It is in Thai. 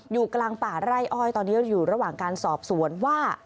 อยู่กลางป่าไร่อ้อยตอนนี้อยู่ระหว่างการสอบสวนว่า